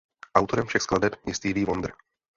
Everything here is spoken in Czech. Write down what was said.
Autorem všech skladeb je Stevie Wonder.